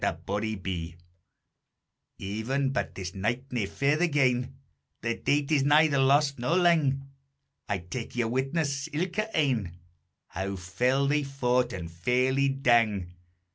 _ Even but this night nae farther gane, The date is neither lost nor lang, I tak ye witness ilka ane, How fell they fought, and fairly dang.